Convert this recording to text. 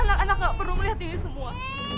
anak anak gak perlu melihat ini semua